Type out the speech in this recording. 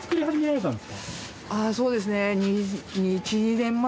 あそうですね。